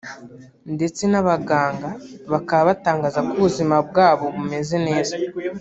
ndetse n’abaganga bakaba batangaza ko ubuzima bwa bo bumeze neza